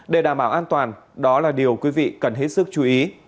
để đảm bảo an toàn đó là điều quý vị cần hết sức chú ý